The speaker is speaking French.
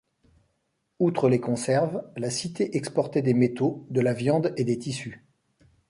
Outre les conserves, la cité exportait des métaux, de la viande et des tissus.